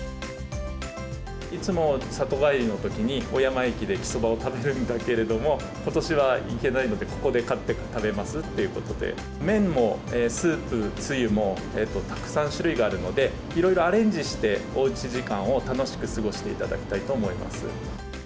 いつも里帰りのときに、小山駅できそばを食べるんだけれども、ことしは行けないのでここで買って食べますということで、麺もスープ、つゆもたくさん種類があるので、いろいろアレンジして、おうち時間を楽しく過ごしていただきたいと思います。